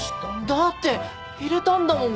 だって入れたんだもん